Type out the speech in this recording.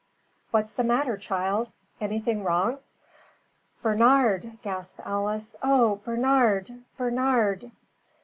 "What's the matter, child? Anything wrong?" "Bernard?" gasped Alice. "Oh, Bernard! Bernard!"